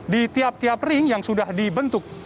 di tiap tiap ring yang sudah dibentuk